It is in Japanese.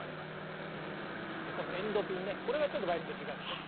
このエンドピンねこれがちょっとバイオリンと違うよね。